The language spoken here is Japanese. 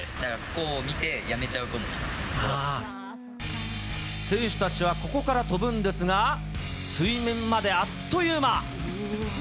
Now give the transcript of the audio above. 高さを見てやめちゃう子もい選手たちはここから飛ぶんですが、水面まであっという間。